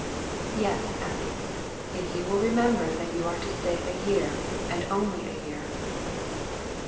"Yes, Abby, if you will remember that you are to stay a year, and only a year."